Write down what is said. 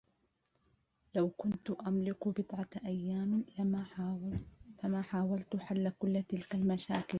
لو كنت أملك بضعة أيّام لما حاولت حلّ كلّ تلك المشاكل.